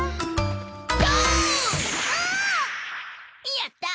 やった！